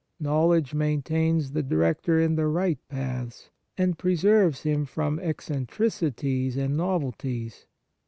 Knowledge maintains the director in the right paths, and pre serves him from eccentricities and novelties.